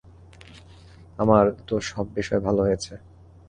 আমার তো সব বিষয় ভালো হয়েছে।